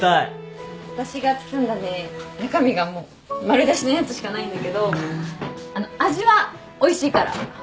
私が包んだね中身がもう丸出しのやつしかないんだけどあの味はおいしいから。